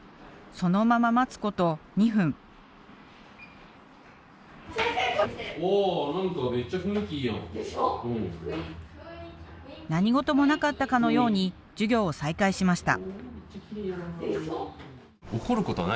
そのまま何ごともなかったかのように授業を再開しました。